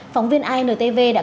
phóng viên intv đã có